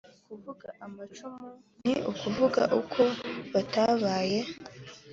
Kuvuga amacumu ni ukuvuga uko batabaye